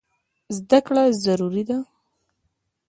زده کړه ضروري ده.